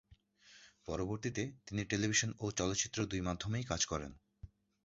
পরবর্তীতে তিনি টেলিভিশন ও চলচ্চিত্র দুই মাধ্যমেই কাজ করেন।